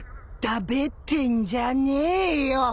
だべってんじゃねえよ！